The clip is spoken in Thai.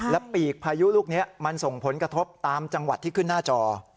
และปีกพายุลูกนี้มันส่งผลกระทบตามจังหวัดที่ขึ้นหน้าจอ